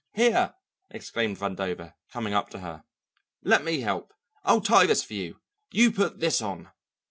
"Here," exclaimed Vandover coming up to her, "let me help. I'll tie this for you you put this on."